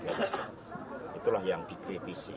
itu lah yang dikritisi